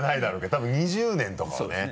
多分２０年とかはね。